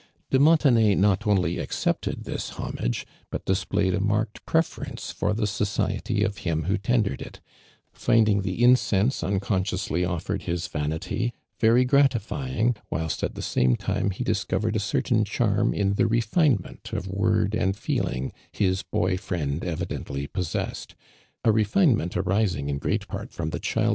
i>o Montenay not only accepteil this ho mage but displayed a marked i)refercnco for the society of him who tendered it, find ing the incense umonsciously offered his vanity, very gratifying, whilst at thb same time he discovered a i ertain charm in tie refinement of word and feeling his boy friend evidently possessed, a retinement arising in great part from tho childi!?